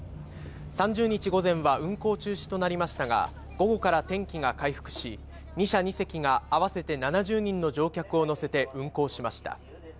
３０日午前は運航中止となりましたが、午後から天気が回復し、２社２隻が合わせて７０人の乗客を乗せて運航しました。